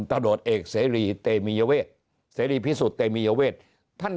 ตะโดดเอกเซรีย์เตมียเวทเซรีย์พิศุตเตมียเวทท่าน